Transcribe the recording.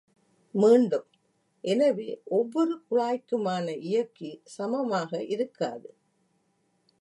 மீண்டும், எனவே ஒவ்வொரு குழாய்க்குமான இயக்கி சமமாக இருக்காது.